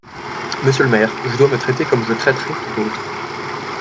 Monsieur le maire, je dois me traiter comme je traiterais tout autre.